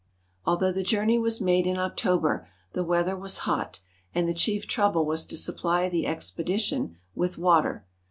Although the journey was made in October, the weather was hot, and the chief trouble was to supply the expedi tion with water.